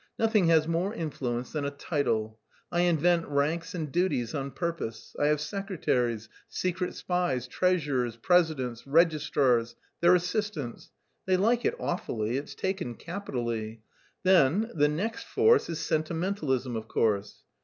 Nothing has more influence than a title. I invent ranks and duties on purpose; I have secretaries, secret spies, treasurers, presidents, registrars, their assistants they like it awfully, it's taken capitally. Then, the next force is sentimentalism, of course.